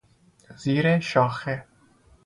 زیر شاخه